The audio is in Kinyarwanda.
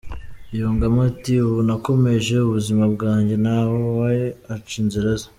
Yungamo ati “Ubu nakomeje ubuzima bwanjye, nawe aca inzira ze.